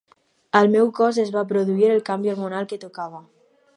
Al meu cos es va produir el canvi hormonal que tocava.